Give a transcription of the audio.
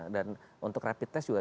dan untuk rapid test juga